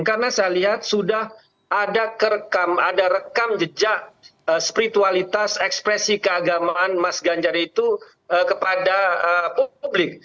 karena saya lihat sudah ada rekam jejak spiritualitas ekspresi keagamaan mas ganjar itu kepada publik